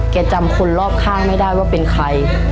จำคนรอบข้างไม่ได้ว่าเป็นใคร